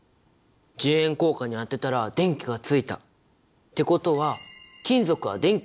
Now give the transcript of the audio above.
１０円硬貨に当てたら電気がついた！ってことは金属は電気を通すんだね！